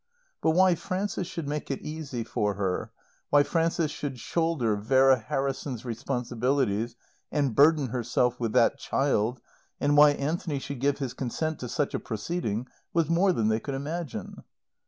But why Frances should make it easy for her, why Frances should shoulder Vera Harrison's responsibilities, and burden herself with that child, and why Anthony should give his consent to such a proceeding, was more than they could imagine.